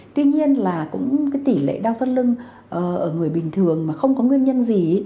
tuy nhiên tỷ lệ đau thắt lưng ở người bình thường mà không có nguyên nhân gì